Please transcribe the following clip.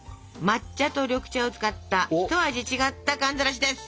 抹茶と緑茶を使った一味違った寒ざらしです！